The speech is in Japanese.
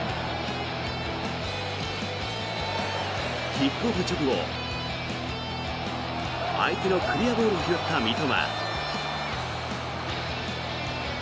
キックオフ直後相手のクリアボールを拾った三笘。